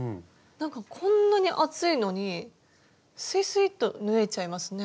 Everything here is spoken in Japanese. なんかこんなに厚いのにスイスイッと縫えちゃいますね。